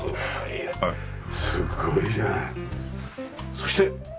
そして。